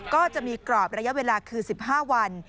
ก็จะมีกรอบระยะเวลาคือ๑๕วัน